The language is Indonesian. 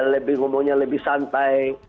lebih ngomongnya lebih santai